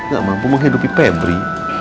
gak mampu menghidupi pebri